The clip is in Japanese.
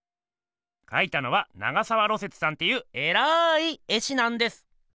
描いたのは長沢芦雪さんっていうえらい絵師なんです。